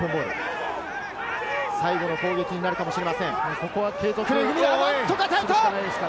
最後の攻撃になるかもしれません、ここは継続。